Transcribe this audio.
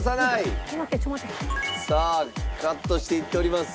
さあカットしていっております。